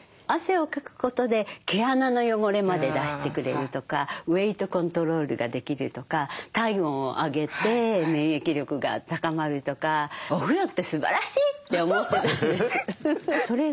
汗をかくことで毛穴の汚れまで出してくれるとかウエイトコントロールができるとか体温を上げて免疫力が高まるとかお風呂ってすばらしいって思ってたんです。